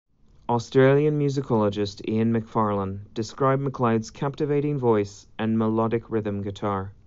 Australian musicologist, Ian McFarlane, described McLeod's captivating voice and melodic rhythm guitar.